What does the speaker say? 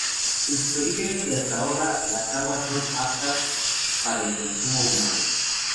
En sus orígenes y hasta ahora, las aguas son aptas para el consumo humano.